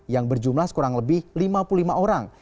yang berjumlah kurang lebih lima puluh lima orang